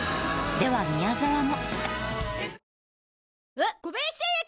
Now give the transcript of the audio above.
では宮沢も。